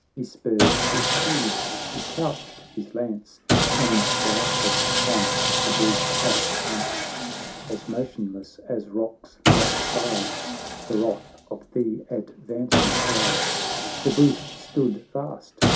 He spurred his steed, he couched his lance, And darted on the Bruce at once. — As motionless as rocks, that bide The wrath of the advancing tide, The Bruce stood fast.